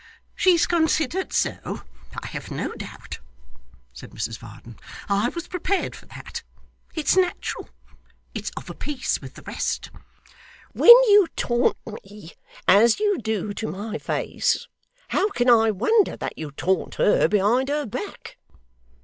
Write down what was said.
'She's considered so, I have no doubt,' said Mrs Varden. 'I was prepared for that; it's natural; it's of a piece with the rest. When you taunt me as you do to my face, how can I wonder that you taunt her behind her back!